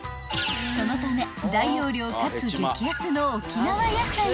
［そのため大容量かつ激安の沖縄野菜がずらり］